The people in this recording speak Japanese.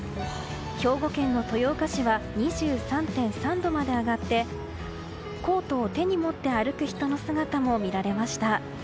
兵庫県の豊岡市は２３．３度まで上がってコートを手に持って歩く人の姿も見られました。